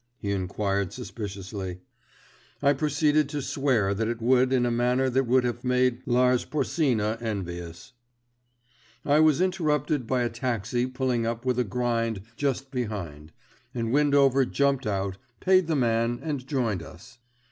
he enquired suspiciously. I proceed to swear that it would in a manner that would have made Lars Porsena envious. I was interrupted by a taxi pulling up with a grind just behind, and Windover jumped out, paid the man and joined us.